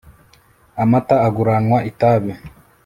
amata aguranwa itabi